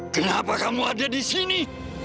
kenapa kamu ada disini